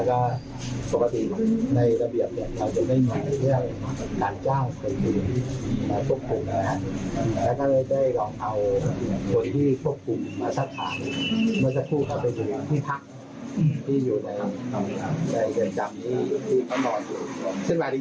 แล้วก็ได้เราเอาคนที่ควบคุมมาสร้างภารกิจ